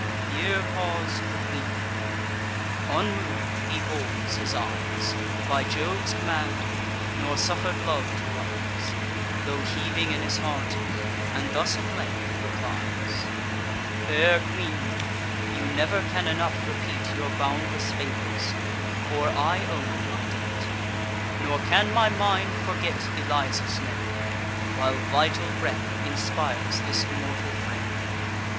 Here paus'd the queen. Unmov'd he holds his eyes, By Jove's command; nor suffer'd love to rise, Tho' heaving in his heart; and thus at length replies: "Fair queen, you never can enough repeat Your boundless favours, or I own my debt; Nor can my mind forget Eliza's name, While vital breath inspires this mortal frame.